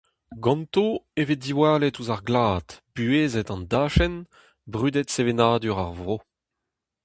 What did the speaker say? Ganto e vez diwallet ouzh ar glad, buhezet an dachenn, brudet sevenadur ar vro.